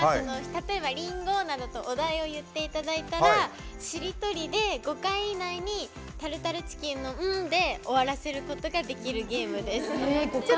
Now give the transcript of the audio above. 例えば、リンゴなどとお題を言っていただいたらしりとりで５回以内にタルタルチキンの「ン」で終わらせることができるゲームです。